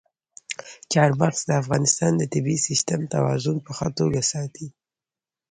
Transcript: چار مغز د افغانستان د طبعي سیسټم توازن په ښه توګه ساتي.